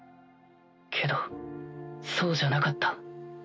けどそうじゃなかった。